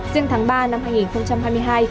riêng tháng ba năm hai nghìn hai mươi hai